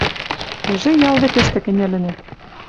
Уже ял вӹкӹштӹ кӹньӹлӹт.